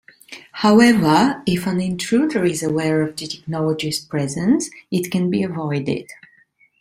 However, if an intruder is aware of the technology's presence, it can be avoided.